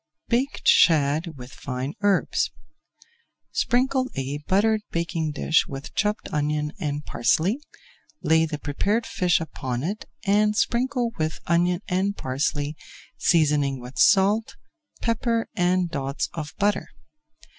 BAKED SHAD WITH FINE HERBS Sprinkle a buttered baking dish with chopped onion and parsley, lay the prepared fish upon it and sprinkle with onion and parsley, seasoning with salt, pepper, and dots of butter.